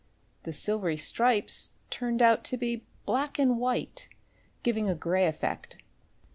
The silvery stripes turned out to be black and white, giving a grey effect.